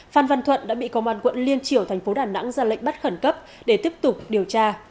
phan văn thuận đã bị công an quận liên triểu tp đà nẵng ra lệnh bắt khẩn cấp để tiếp tục điều tra